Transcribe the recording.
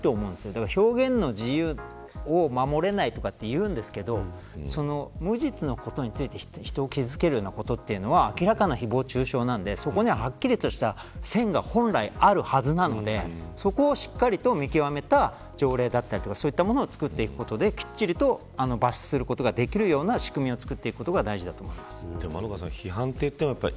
だから表現の自由を守れないとか言うんですけど無実のことについて人を傷付けることというのは明らかな誹謗中傷なのでそこにははっきりとした線が本来あるはずなのでそこはしっかりと見極めた条例だったりとかそういったものをつくっていくことできっちりと罰することができるような仕組みをつくるのが大事だと思います。